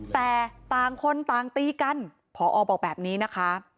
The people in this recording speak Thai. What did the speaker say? แต่ต่างคนต่างตีกันผอบอกแบบนี้นะคะ